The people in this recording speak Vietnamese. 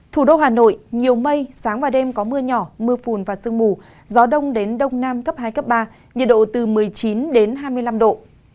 thủ đô hà nội nhiều mây sáng và đêm có mưa nhỏ mưa phùn và sương mù gió đông đến đông nam cấp hai cấp ba nhiệt độ từ một mươi chín hai mươi năm độ